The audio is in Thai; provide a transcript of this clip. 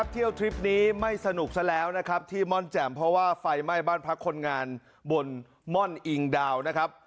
ทริปนี้ไม่สนุกซะแล้วนะครับที่ม่อนแจ่มเพราะว่าไฟไหม้บ้านพักคนงานบนม่อนอิงดาวนะครับ